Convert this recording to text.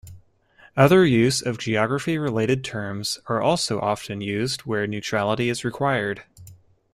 Other use of geography-related terms are also often used where neutrality is required.